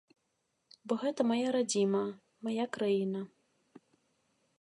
Бо гэта мая радзіма, мая краіна.